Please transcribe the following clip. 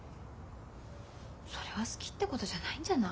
それは好きってことじゃないんじゃない？